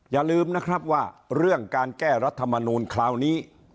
อย่าลืมนะครับว่าเรื่องการแก้รัฐมนูลคราวนี้